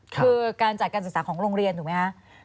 คือการจัดการศึกษาของโรงเรียนถูกไหมคะ